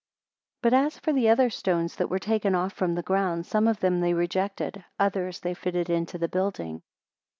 28 But as for the other stones that were taken off from the ground, some of them they rejected, others they fitted into the building.